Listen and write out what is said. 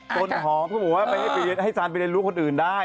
ต้นหอมทุกคนบอกว่าไปให้สาญเห็นลูกคนอื่นได้